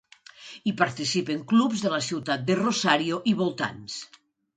Hi participen clubs de la ciutat de Rosario i voltants.